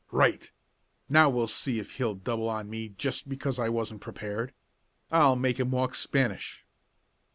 "Right! Now we'll see if he'll double on me just because I wasn't prepared. I'll make him walk Spanish!"